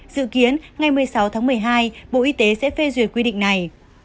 dự kiến ngày một mươi sáu tháng một mươi hai bộ y tế sẽ phê duyệt quy định này